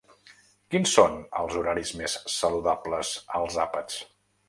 Quins són els horaris més saludables als àpats?